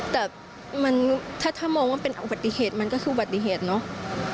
แต่ถ้ามองว่าเป็นอุบัติเหตุมันก็คืออุบัติเหตุเนาะ